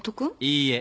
いいえ。